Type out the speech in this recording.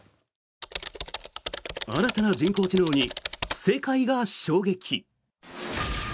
新たな人工知能に世界が衝撃。